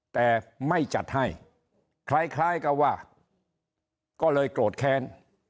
แต่ไม่จัดให้คล้ายกับว่าก็เลยโกรธแค้น